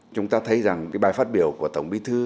chúng ta thấy rằng cái bài phát biểu của tổng bí thư